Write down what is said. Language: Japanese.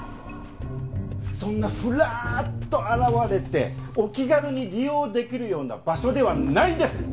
そんなフラッと現れてお気軽に利用できるような場所ではないんです！